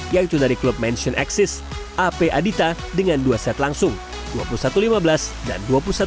yaitu dari klub mansion axis ap adita dengan dua set langsung dua puluh satu lima belas dan dua puluh satu dua belas